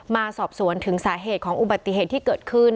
มาสอบสวนถึงสาเหตุของอุบัติเหตุที่เกิดขึ้น